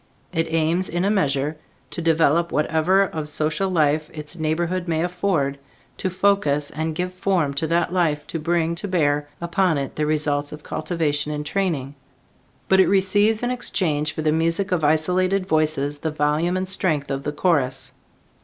It aims, in a measure, to develop whatever of social life its neighborhood may afford, to focus and give form to that life, to bring to bear upon it the results of cultivation and training; but it receives in exchange for the music of isolated voices the volume and strength of the chorus.